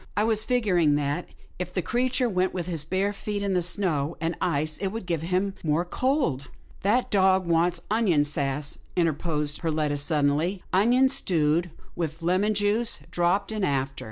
I was figuring that, if the creature went with his bare feet in the snow and ice, it would give him more cold." " That dog wants onion sass," interposed Per letta, suddenly, " onions stewed, with lemon juice dropped in after.